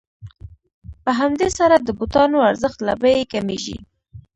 په همدې سره د بوټانو ارزښت له بیې کمېږي